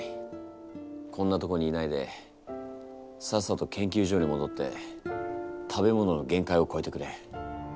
こんなとこにいないでさっさと研究所にもどって食べ物の限界を超えてくれ。